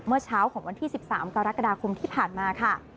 เมื่อเช้าของวันที่๑๓กรกฎาคมที่ผ่านมาค่ะ